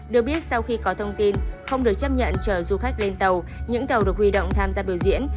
được biết sau khi có thông tin không được chấp nhận chở du khách lên tàu những tàu được huy động tham gia biểu diễn